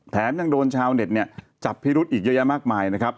ยังโดนชาวเน็ตเนี่ยจับพิรุธอีกเยอะแยะมากมายนะครับ